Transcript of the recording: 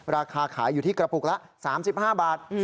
ราคาขายอยู่ที่กระปุกละ๓๕บาท